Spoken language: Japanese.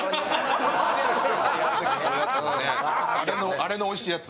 あれのおいしいやつ。